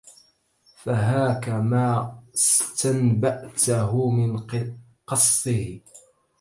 فهاكَ ما استنبأْته من قَصِّهِ